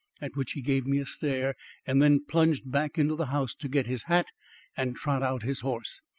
At which he gave me a stare, then plunged back into the house to get his hat and trot out his horse.